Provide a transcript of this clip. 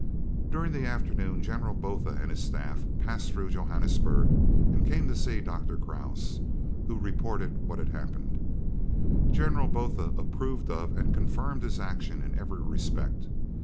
During the afternoon General Botha and his staff passed through Johannesburg, and came to see Dr. Krause, who reported what had happened. General Botha approved of and confirmed his action in every respect.